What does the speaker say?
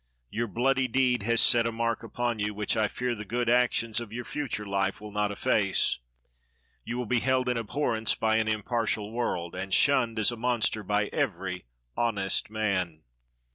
Your bloody deed has set a mark upon you, which I fear the good actions of your future life will not efface. You will be held in abhorrence by an impartial world, and shunned as a monster by every honest man.